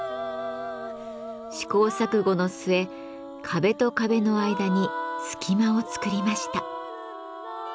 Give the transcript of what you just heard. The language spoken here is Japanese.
試行錯誤の末壁と壁の間に隙間を作りました。